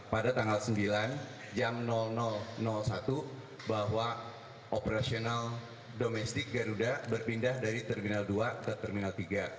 pada tanggal sembilan jam satu bahwa operasional domestik garuda berpindah dari terminal dua ke terminal tiga